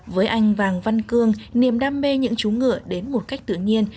với anh vàng văn cương niềm đam mê những chú ngựa đến một cách tự nhiên